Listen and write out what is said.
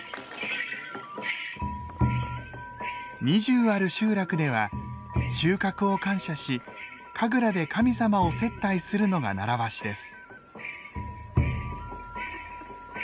２０ある集落では収穫を感謝し神楽で神様を接待するのが習わしです。